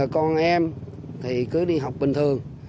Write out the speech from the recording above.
con em thì cứ đi học bình thường